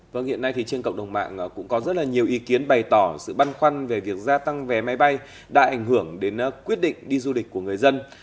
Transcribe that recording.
vâng hiện nay thì trên cộng đồng mạng cũng có rất là nhiều ý kiến bày tỏ sự băn khoăn về việc gia tăng vé máy bay đã ảnh hưởng đến quyết định đi du lịch của người dân